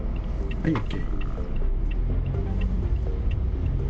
はい、ＯＫ。